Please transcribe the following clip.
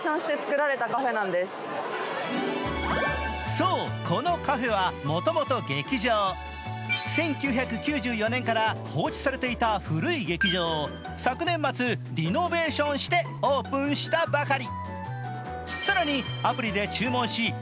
そう、このカフェはもともと劇場１９９４年からされていた古い劇場を１９９４年から放置されていた古い劇場を昨年末、リノベーションしてオープンしたばかり。